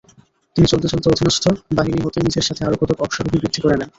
তিনি চলতে চলতে অধীনস্থ বাহিনী হতে নিজের সাথে আরো কতক অশ্বারোহী বৃদ্ধি করে নেন।